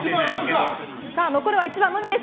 残るは１番のみです